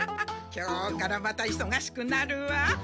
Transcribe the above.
今日からまたいそがしくなるわ。